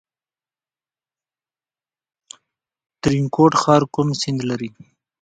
ترینکوټ ښار کوم سیند لري؟